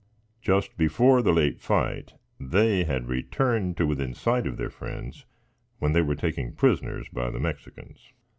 Just before the late fight, they had returned to within sight of their friends, when they were taken prisoners by the Mexicans.